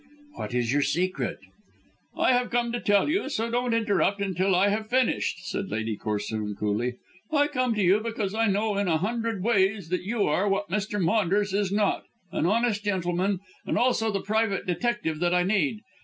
"What is your secret?" "I have come to tell you, so don't interrupt until I have finished," said Lady Corsoon coolly. "I come to you because I know in a hundred ways that you are, what Mr. Maunders is not, an honest gentleman, and also the private detective that I need.